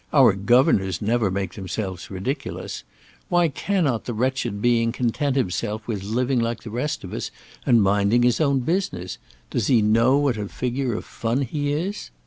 Our governors never make themselves ridiculous. Why cannot the wretched being content himself with living like the rest of us, and minding his own business? Does he know what a figure of fun he is?"